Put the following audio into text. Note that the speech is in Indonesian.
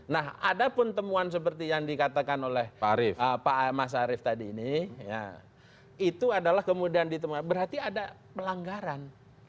nah ada pun temuan seperti yang dikatakan oleh pak mas arief tadi ini itu adalah kemudian ditemukan berarti ada pelanggaran